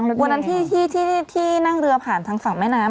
วันนั้นที่นั่งเรือผ่านทางฝั่งแม่น้ำ